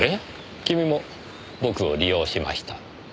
君も僕を利用しました。